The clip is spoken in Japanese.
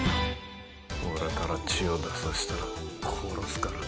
俺から血を出させたら殺すからな。